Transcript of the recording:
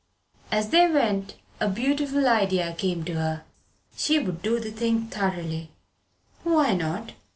As they went a beautiful idea came to her. She would do the thing thoroughly why not?